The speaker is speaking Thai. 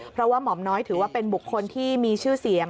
เพราะว่าหม่อมน้อยถือว่าเป็นบุคคลที่มีชื่อเสียง